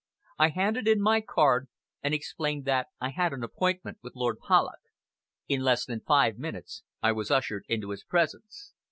I handed in my card, and explained that I had an appointment with Lord Polloch. In less than five minutes I was ushered into his presence.